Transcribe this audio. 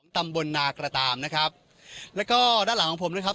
ตำบลนากระตามนะครับแล้วก็ด้านหลังของผมนะครับ